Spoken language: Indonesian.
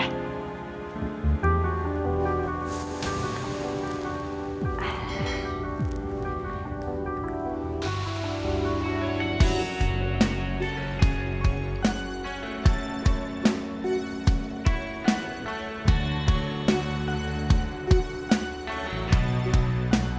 kau cuma cantik